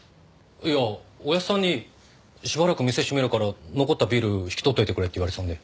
いやおやっさんにしばらく店閉めるから残ったビール引き取っといてくれって言われてたんで。